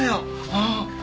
うん。